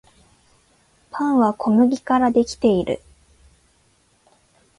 パンは小麦からできている